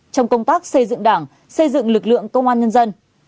trong công tác xây dựng đảng xây dựng lực lượng công an nhân dân